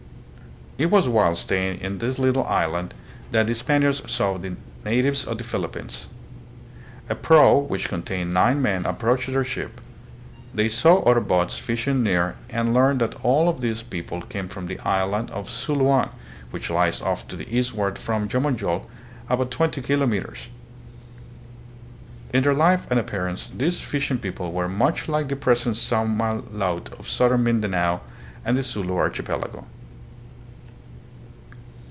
It was while staying at this little island that the Span iards first saw the natives of the Philippines. A prau which contained nine men approached their ship. They saw other boats fishing near and learned that all of these people came from the island of Suluan, which lies off to the eastward from Jomonjol about twenty kilometres. In their life and appearance these fishing people were much like the present Samal laut of southern Mindanao and the Sulu Archipelago.